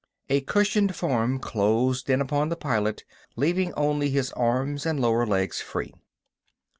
A cushioned form closed in upon the pilot, leaving only his arms and lower legs free.